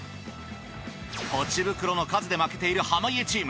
ポチ袋の数で負けている濱家チーム。